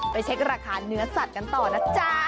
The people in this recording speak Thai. เช็คราคาเนื้อสัตว์กันต่อนะจ๊ะ